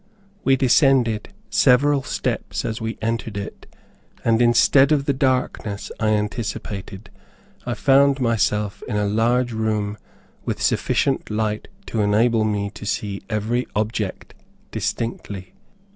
We descended several steps as we entered it, and instead of the darkness I anticipated, I found myself in a large room with sufficient light to enable me to see every object distinctly.